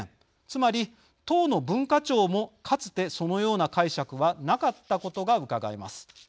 つまり当の文化庁もかつてそのような解釈はなかったことがうかがえます。